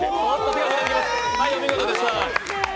お見事でした。